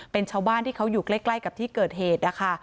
เป็นชาวบ้านที่เขาอยู่ใกล้กับที่เกิดเหตุนะคะ